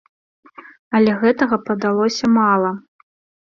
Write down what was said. Але гэтага падалося мала.